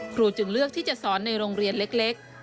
จึงเลือกที่จะสอนในโรงเรียนเล็ก